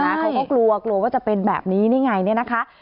เขาก็กลัวกลัวว่าจะเป็นแบบนี้นี่ไงเนี่ยนะคะ